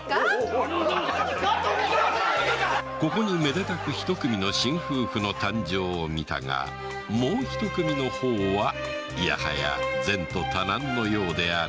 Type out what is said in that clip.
ここにめでたく一組の新夫婦の誕生をみたがもう一組の方はいやはや前途多難のようである